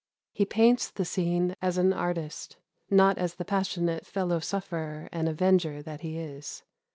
He paints the scene as an artist, not as the passionate fellow sufferer and avenger that he is.